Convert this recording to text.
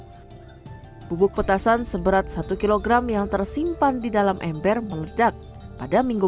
bubuk petasan seberat satu kg yang tersimpan di dalam ember meledak pada minggu